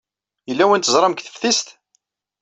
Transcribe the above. Yella win teẓram deg teftist?